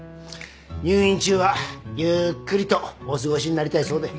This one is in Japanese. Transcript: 入院中はゆっくりとお過ごしになりたいそうで。